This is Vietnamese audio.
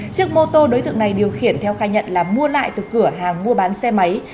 chiếc mô tô đối tượng này điều khiển theo khai nhận là mua lại từ cửa hàng mua bán xe máy